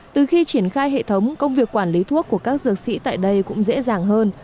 từ khi triển khai hệ thống công việc quản lý thuốc của các dược sĩ tại đây cũng dễ dàng hơn